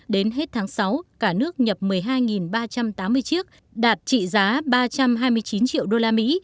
đến hết tháng sáu cả nước nhập một mươi hai ba trăm tám mươi chiếc đạt trị giá ba trăm hai mươi chín triệu usd